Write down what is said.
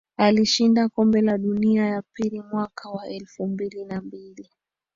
Alishinda Kombe la Dunia ya pili mwaka wa elfu mbili na mbili